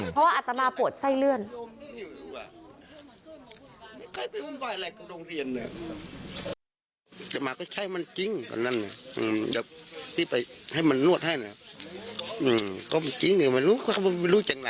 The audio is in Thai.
เพราะว่าอัตมาปวดไส้เลื่อน